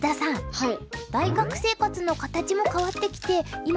はい。